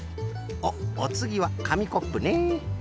おっおつぎはかみコップね。